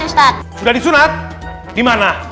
sudah disunat dimana